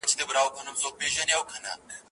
ایا ستا او د استاد مزاج سره برابر دی؟